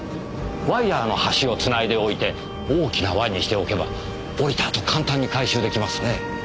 ワイヤーの端を繋いでおいて大きな輪にしておけば下りたあと簡単に回収出来ますね。